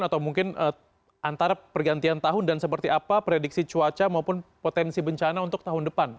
atau mungkin antara pergantian tahun dan seperti apa prediksi cuaca maupun potensi bencana untuk tahun depan